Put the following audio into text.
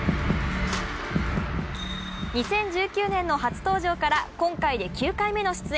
２０１９年の初登場から今回で９回目の出演。